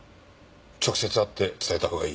直接会って伝えた方がいい。